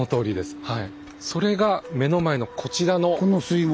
それが目の前のこちらの水門。